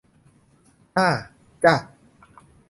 ห้าจ้ะ